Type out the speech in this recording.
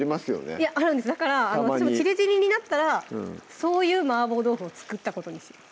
いやあるんですだから私も散り散りになったらそういう麻婆豆腐を作ったことにします